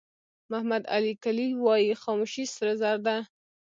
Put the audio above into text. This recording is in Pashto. محمد علي کلي وایي خاموشي سره زر ده.